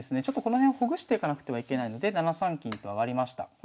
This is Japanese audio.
ちょっとこの辺をほぐしていかなくてはいけないので７三金と上がりました。